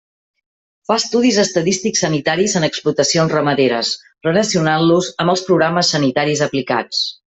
Fa estudis estadístics sanitaris en explotacions ramaderes, relacionant-los amb els programes sanitaris aplicats.